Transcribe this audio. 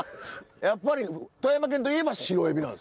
やっぱり富山県といえばシロエビなんですね。